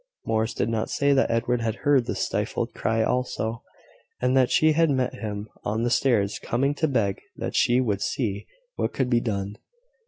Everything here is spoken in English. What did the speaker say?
Morris did not say that Edward had heard the stifled cry also, and that she had met him on the stairs coming to beg that she would see what could be done.